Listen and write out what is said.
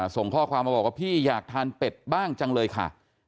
ส่งข้อความมาบอกว่าพี่อยากทานเป็ดบ้างจังเลยค่ะ